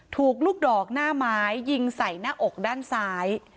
ถูกลูกดอกหน้าไม้ยิงใส่หน้าอกด้านซ้าย